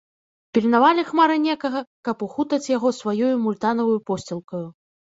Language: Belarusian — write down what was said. Пільнавалі хмары некага, каб ухутаць яго сваёю мультановаю посцілкаю.